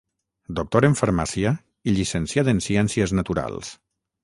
Doctor en Farmàcia i llicenciat en Ciències Naturals.